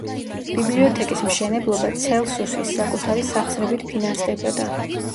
ბიბლიოთეკის მშენებლობა ცელსუსის საკუთარი სახსრებით ფინანსდებოდა.